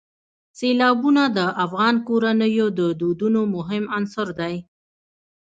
سیلابونه د افغان کورنیو د دودونو مهم عنصر دی.